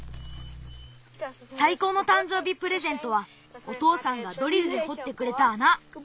さいこうのたんじょうびプレゼントはおとうさんがドリルでほってくれたあな！